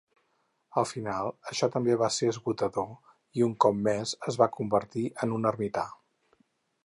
Al final, això també va ser esgotador i, un cop més, es va convertir en un ermità.